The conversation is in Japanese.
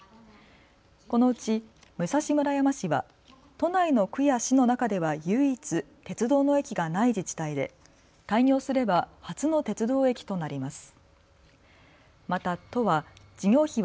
このうち武蔵村山市は都内の区や市の中では唯一、鉄道の駅がない自治体で開業すれば初の鉄道駅となります。